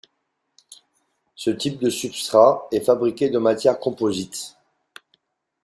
Ce type de substrat est fabriqué de matières composites.